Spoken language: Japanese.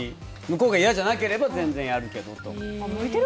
向こうが嫌じゃなければ全然やるけど。